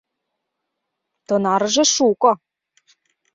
Тынарыже шуко.